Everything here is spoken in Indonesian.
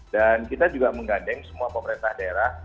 dan kita juga menggandeng semua pemerintah daerah